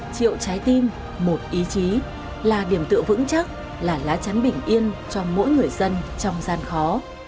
triệu trái tim một ý chí là điểm tựa vững chắc là lá chắn bình yên cho mỗi người dân trong gian khó